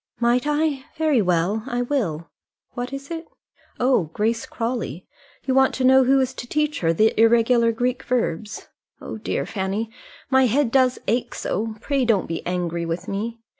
"Might I? very well; I will. What is it? Oh, Grace Crawley you want to know who is to teach her the irregular Greek verbs. Oh dear, Fanny, my head does ache so: pray don't be angry with me."